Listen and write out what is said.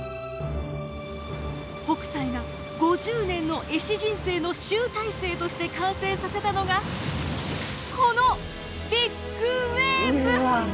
北斎が５０年の絵師人生の集大成として完成させたのがこのビッグウエーブ！